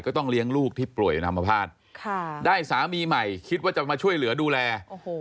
ต้องเลี้ยงลูกที่ป่วยอัมพาตได้สามีใหม่คิดว่าจะมาช่วยเหลือดูแลโอ้โห